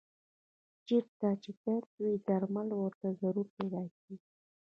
چېرته چې درد وي درمل ورته ضرور پیدا کېږي.